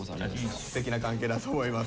すてきな関係だと思います。